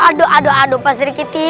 aduh aduh aduh pak sirikiti